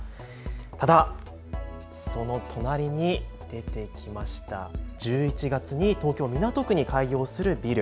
ただ、その隣に出てきました、１１月に東京港区に開業するビル。